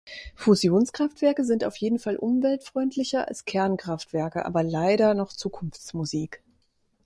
Fusionskraftwerke sind auf jeden Fall umweltfreundlicher als Kernkraftwerke, aber leider noch Zukunftsmusik.